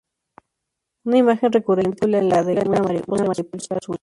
Una imagen recurrente en la película es la de una mariposa azul.